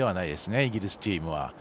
イギリスチームは。